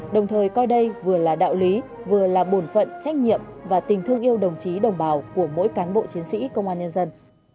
đồng thời coi đây vừa là đạo lý vừa là bổn phận trách nhiệm và tình thương yêu đồng chí đồng bào của mỗi cán bộ chiến sĩ công an nhân dân